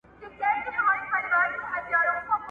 تاسو ولي په خپلو درسونو کي لټي کوئ؟